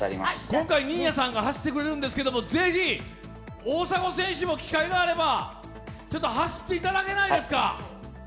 今回、新谷さんが走ってくれるんですけども、是非大迫選手も機会があれば走っていただけないですか。